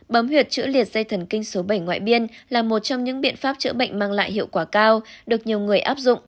bấm huyện chữa liệt dây thần kinh số bảy ngoại biên là một trong những biện pháp chữa bệnh mang lại hiệu quả cao được nhiều người áp dụng